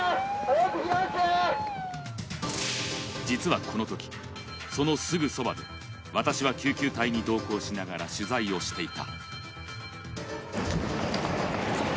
実はこのとき、そのすぐそばで私は救急隊に同行しながら取材をしていた。